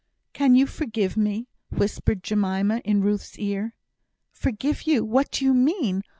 "Can you forgive me?" whispered Jemima in Ruth's ear. "Forgive you! What do you mean?